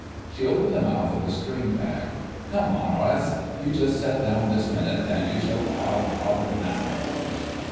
She opened the mouth of a string bag. "Come on, 'Orace—you just set down this minute, an' you shall 'ave 'arf a banana."